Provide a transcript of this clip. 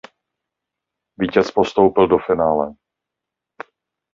Vítěz postoupil do finále.